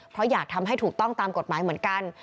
เพราะอยากทำให้ถูกต้องตามกฎหมายเหมือนกัน